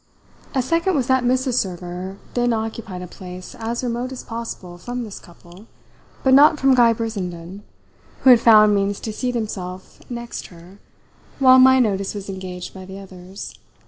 A second was that Mrs. Server then occupied a place as remote as possible from this couple, but not from Guy Brissenden, who had found means to seat himself next her while my notice was engaged by the others.